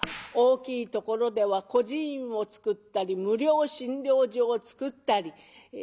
大きいところでは孤児院をつくったり無料診療所をつくったり。